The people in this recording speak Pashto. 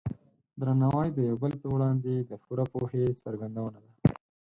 درناوی د یو بل په وړاندې د پوره پوهې څرګندونه ده.